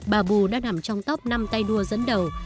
babu đã nằm trong tóc năm tay đua dẫn đầu